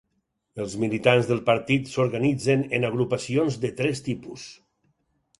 Els militants del partit s'organitzen en agrupacions de tres tipus: